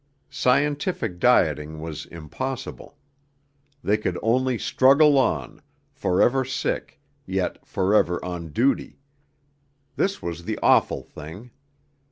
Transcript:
Scientific dieting was impossible. They could only struggle on, for ever sick, yet for ever on duty: this was the awful thing.